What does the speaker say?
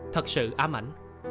thật sự ám ảnh